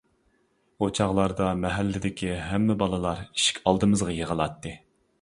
ئۇ چاغلاردا مەھەللىدىكى ھەممە بالىلار ئىشىك ئالدىمىزغا يىغىلاتتى.